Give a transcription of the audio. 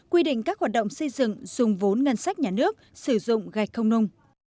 quy định các hoạt động xây dựng dùng vốn ngân sách nhà nước sử dụng gạch không nung